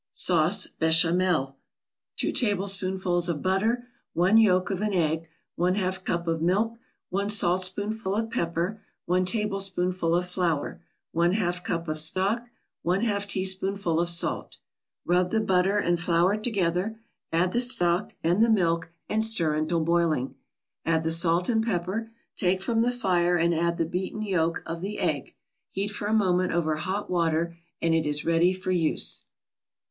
SAUCE BECHAMEL 2 tablespoonfuls of butter 1 yolk of an egg 1/2 cup of milk 1 saltspoonful of pepper 1 tablespoonful of flour 1/2 cup of stock 1/2 teaspoonful of salt Rub the butter and flour together, add the stock and the milk and stir until boiling; add the salt and pepper, take from the fire and add the beaten yolk of the egg, heat for a moment over hot water, and it is ready for use.